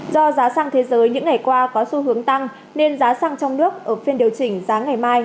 do có xu hướng tăng nên giá xăng trong nước ở phiên điều chỉnh giá ngày mai